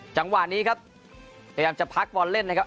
จังหวะนี้ครับพยายามจะพักบอลเล่นนะครับ